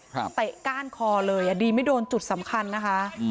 เตะก้านคอเลยอ่ะดีไม่โดนจุดสำคัญนะคะอืม